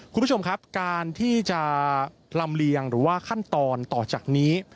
คุณผู้ชมครับการที่จะลำเลียงหรือว่าขั้นตอนต่อจากนี้